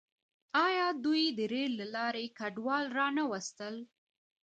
آیا دوی د ریل له لارې کډوال را نه وستل؟